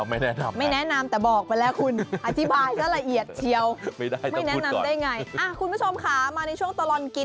อ๋อของกินเยอะแยะนะเผียบและก้นไปทานอะไร